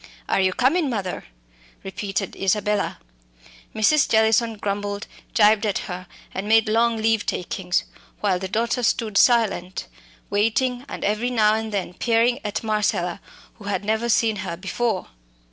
"Are you comin', mother?" repeated Isabella. Mrs. Jellison grumbled, gibed at her, and made long leave takings, while the daughter stood silent, waiting, and every now and then peering at Marcella, who had never seen her before.